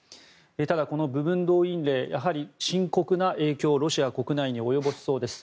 ただ、この部分動員令やはり深刻な影響をロシア国内に及ぼしそうです。